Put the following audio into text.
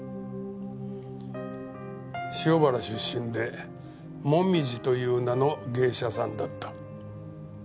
塩原出身で紅葉という名の芸者さんだった。